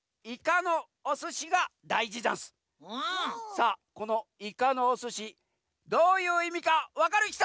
さあこの「いかのおすし」どういういみかわかるひと？